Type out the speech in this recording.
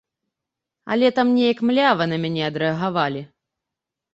Але там неяк млява на мяне адрэагавалі.